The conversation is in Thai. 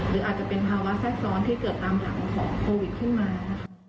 หรืออาจจะเป็นภาวะแทรกซ้อนที่เกิดตามหลังของโควิดขึ้นมา